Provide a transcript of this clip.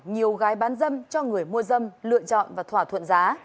nhiều gái bán dâm cho người mua dâm lựa chọn và thỏa thuận giá